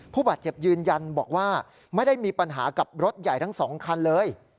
ผู้บาดเจ็บยืนยันบอกว่าไม่ได้มีปัญหากับรถใหญ่ทั้ง๒คันเลย